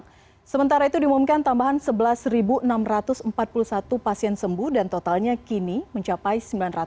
hai sementara itu diumumkan tambahan sebelas ribu enam ratus empat puluh satu pasien sembuh dan totalnya kini mencapai